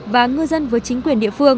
và ngư dân với chính quyền địa phương